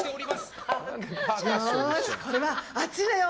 よーし、これはあっちだよ！